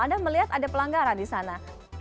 anda melihat ada pelanggaran di sana